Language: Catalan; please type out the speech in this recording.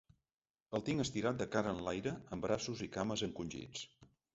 El tinc estirat de cara enlaire amb braços i cames encongits.